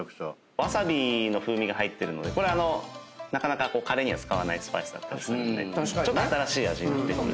わさびの風味が入ってるのでこれなかなかカレーには使わないスパイスなのでちょっと新しい味になってくる。